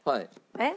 えっ？